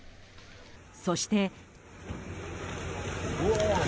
そして。